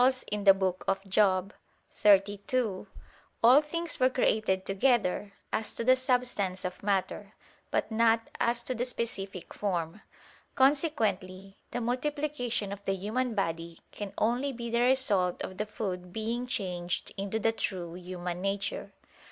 xxxii): "All things were created together as to the substance of matter, but not as to the specific form." Consequently the multiplication of the human body can only be the result of the food being changed into the true human nature.